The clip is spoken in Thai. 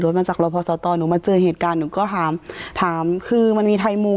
มาจากรพสตหนูมาเจอเหตุการณ์หนูก็ถามถามคือมันมีไทยมุม